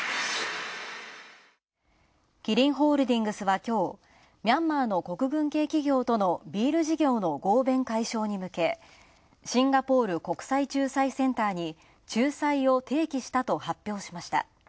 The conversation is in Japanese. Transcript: キリンホールディングスはきょうミャンマーの国軍系企業とのビール事業の合弁解消に向けシンガポール国際仲裁センターに発表しました。